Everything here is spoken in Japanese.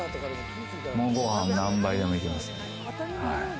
もうご飯何杯でもいけますね。